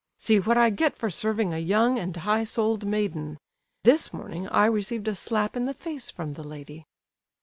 See what I get for serving a young and high souled maiden! This morning I received a slap in the face from the lady!"